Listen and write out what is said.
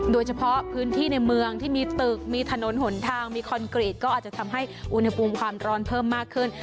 โดยเฉพาะพื้นที่ในเมืองที่มีตึกมีถนนหนทางมีคอนกรีตก็อาจจะทำให้อุณหภูมิความร้อนเพิ่มมากขึ้น